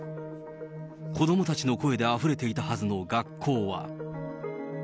子どもたちの声であふれていたはずの学校は。